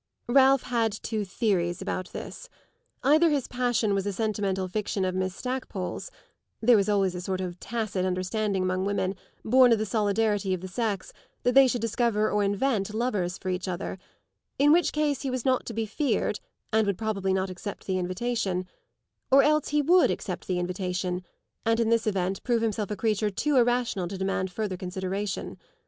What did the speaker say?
Ralph had two theories about this intervenes. Either his passion was a sentimental fiction of Miss Stackpole's (there was always a sort of tacit understanding among women, born of the solidarity of the sex, that they should discover or invent lovers for each other), in which case he was not to be feared and would probably not accept the invitation; or else he would accept the invitation and in this event prove himself a creature too irrational to demand further consideration.